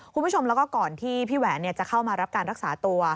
คุณผู้ชมแล้วก็ก่อนที่พี่แหวนจะเข้ามารับการรักษาตัว